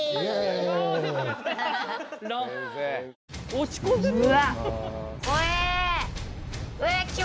落ち込んでるよ？